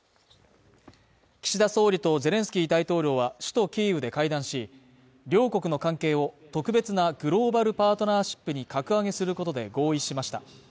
岸田総理とゼレンスキー大統領は首都キーウで会談し、両国の関係を特別なグローバルパートナーシップに格上げすることで合意しました。